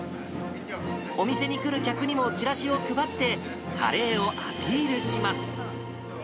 お店に来る客にもチラシを配って、カレーをアピールします。